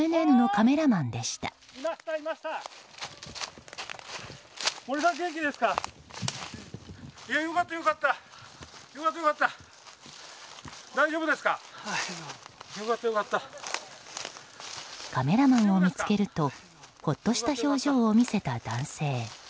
カメラマンを見つけるとほっとした表情を見せた男性。